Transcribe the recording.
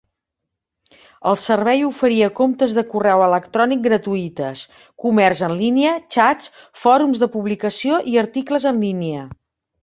El servei oferia comptes de correu electrònic gratuïtes, comerç en línia, xats, fòrums de publicació i articles en línia.